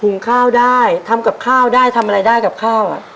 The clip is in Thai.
ข้าวได้ทำกับข้าวได้ทำอะไรได้กับข้าวอ่ะ